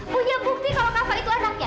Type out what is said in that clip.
punya bukti kalau kasar itu anaknya